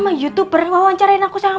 maksudmu apa komentar komentar